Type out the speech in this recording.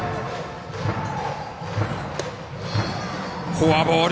フォアボール。